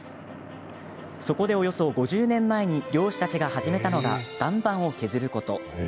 そこで、およそ５０年前に漁師たちが始めたのが岩盤を削ること。